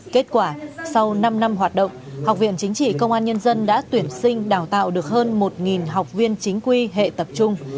kết quả sau năm năm hoạt động học viện chính trị công an nhân dân đã tuyển sinh đào tạo được hơn một học viên chính quy hệ tập trung